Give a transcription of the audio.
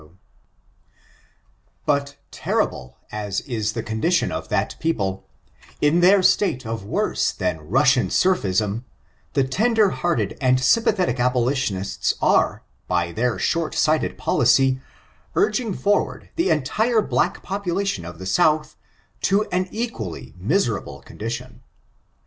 1 ^^^i^i^k^ ^^^^^ I 418 ORIGIN, CHARACTER, AND But terrible as is the condition of that people, m their state of worse than Russian serfism ^ the tender hearted and sympathetic abolitionists are, by their short sighted policy, urging forward the entire black population of the South to an equally miserable con dition.